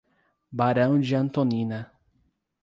Barão de Antonina